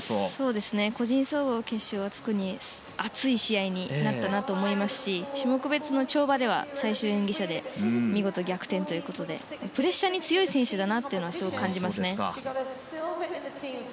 個人総合決勝は特に、熱い試合になったなと思いますし種目別の跳馬では最終演技者で見事逆転ということでプレッシャーに強い選手だとすごく感じますね。